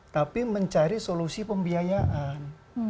tapi mencari solusi pembiayaan